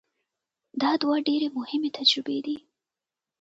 دا دوه ډېرې مهمې تجربې دي.